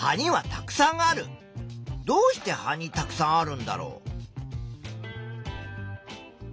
どうして葉にたくさんあるんだろう。